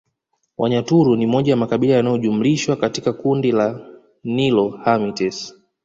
Wanyaturu ni moja ya makabila yanayojumlishwa katika kundi la Nilo Hamites